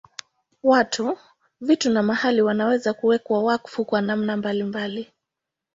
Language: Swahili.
Watu, vitu na mahali wanaweza kuwekwa wakfu kwa namna mbalimbali.